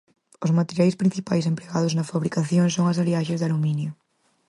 Os materiais principais empregados na fabricación son as aliaxes de aluminio.